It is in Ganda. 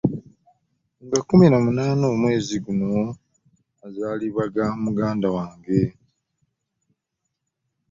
Nga kummu n'annya omwezi guno mazaalibwa ga muganda wange .